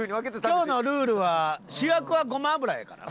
今日のルールは主役はごま油やから。